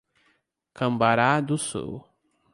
Cambará do Sul